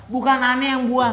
bukan ane yang buang